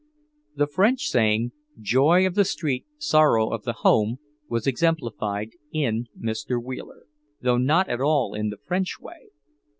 The French saying, "Joy of the street, sorrow of the home," was exemplified in Mr. Wheeler, though not at all in the French way.